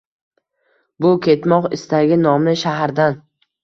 bu Ketmoq istagi nomli shahardan?